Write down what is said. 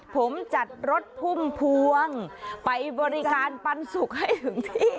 ผมจัดรถพุ่มพวงไปบริการปันสุกให้ถึงที่